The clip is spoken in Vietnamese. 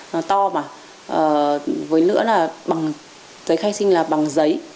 nó to mà với nữa là bằng giấy khai sinh là bằng giấy